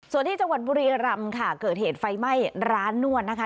ส่วนที่จังหวัดบุรีรำค่ะเกิดเหตุไฟไหม้ร้านนวดนะคะ